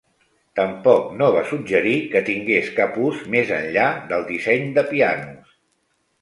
Tampoc no va suggerir que tingués cap ús més enllà del disseny de pianos.